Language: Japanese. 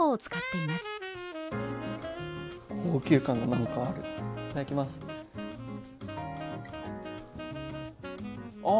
いただきます。